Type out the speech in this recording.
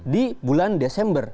di bulan desember